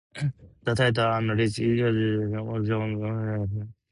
The title and rich allegory are reminiscent of John Bunyan's "Pilgrim's Progress".